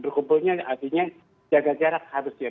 berkumpulnya artinya jaga jarak harus ya